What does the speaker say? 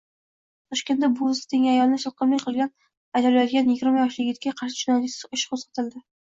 Toshkentda buvisi tengi ayolga shilqimlik qilgani aytilayotganyigirmayoshli yigitga qarshi jinoyat ishi qo‘zg‘atildi